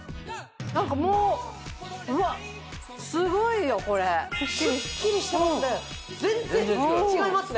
何かもううわっすごいよこれスッキリしてますね